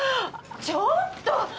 ちょっと！